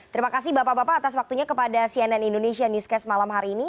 terima kasih bapak bapak atas waktunya kepada cnn indonesia newscast malam hari ini